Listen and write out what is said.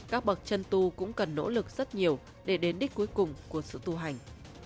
các bậc chân tu cũng cần nỗ lực rất nhiều để đến đích cuối cùng của sự tu hành